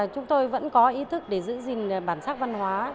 chúng tôi vẫn có ý thức để giữ gìn bản sắc văn hóa